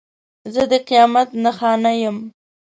زه د قیامت نښانه یم.